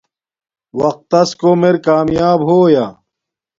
وقت تس کوم ار کامیاب ہویا